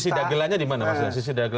sisi dagelannya dimana